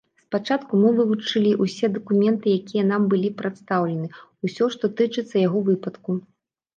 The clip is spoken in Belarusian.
Спачатку мы вывучылі ўсе дакументы, якія нам былі прадастаўлены, усё, што тычыцца яго выпадку.